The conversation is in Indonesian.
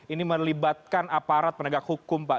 ini melibatkan aparat penegak hukum pak